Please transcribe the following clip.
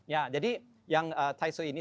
ya jadi yang taisu ini